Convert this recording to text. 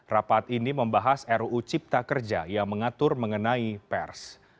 rapat ini membahas ruu cipta kerja yang mengatur mengenai pers